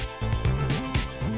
kita sih lepas ya everlasting